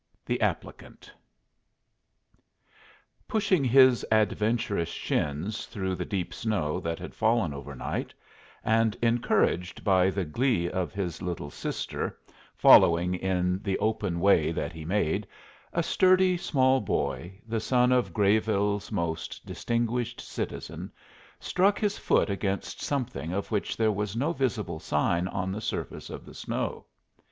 THE APPLICANT Pushing his adventurous shins through the deep snow that had fallen overnight, and encouraged by the glee of his little sister, following in the open way that he made, a sturdy small boy, the son of Grayville's most distinguished citizen, struck his foot against something of which there was no visible sign on the surface of the snow.